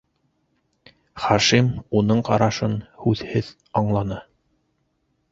Хашим уның ҡарашын һүҙһеҙ анланы: